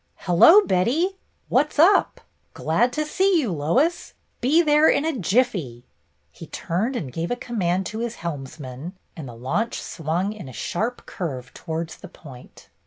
"Hello, Betty! What's up? Glad to see you, Lois. Be there in a jiffy." He turned and gave a command to his helms man, and the launch swung in a sharp curve towards the point.